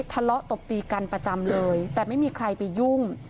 ตบตีกันประจำเลยแต่ไม่มีใครไปยุ่ง